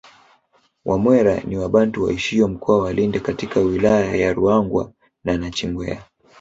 Wamwera ni wabantu waishio mkoa wa Lindi katika wilaya ya Ruangwa na nachingwea